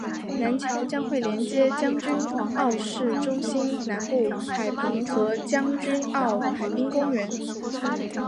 南桥将会连接将军澳市中心南部海旁和将军澳海滨公园。